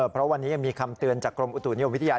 เพราะวันนี้ยังมีคำเตือนจากกรมอุตุนิยมวิทยา